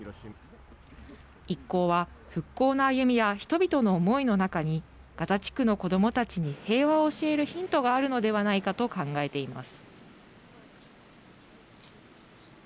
一行は復興の歩みや人々の思いの中にガザ地区の子どもたちに平和を教えるヒントがあるのではないかと考えています。